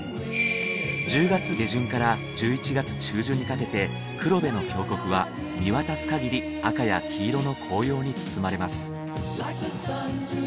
１０月下旬から１１月中旬にかけて黒部の峡谷は見渡すかぎり赤や黄色の紅葉に包まれます。